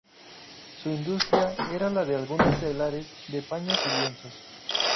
Su industria era la de algunos telares de paños y lienzos.